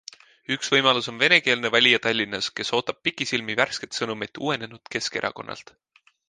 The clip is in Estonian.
Üks võimalus on venekeelne valija Tallinnas, kes ootab pikisilmi värsket sõnumit uuenenud Keskerakonnalt.